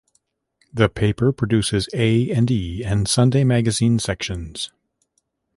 The paper produces A and E and Sunday Magazine sections.